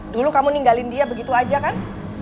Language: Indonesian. dulu kamu ninggalin dia begitu aja kan